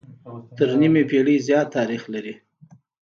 تر نيمې پېړۍ زيات تاريخ لري